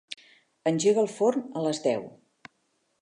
Engega el forn a les deu.